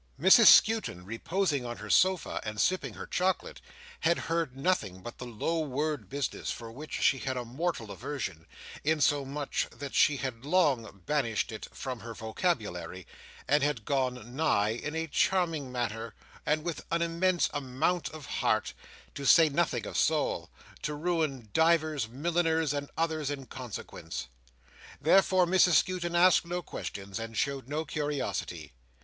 Mrs Skewton, reposing on her sofa, and sipping her chocolate, had heard nothing but the low word business, for which she had a mortal aversion, insomuch that she had long banished it from her vocabulary, and had gone nigh, in a charming manner and with an immense amount of heart, to say nothing of soul, to ruin divers milliners and others in consequence. Therefore Mrs Skewton asked no questions, and showed no curiosity.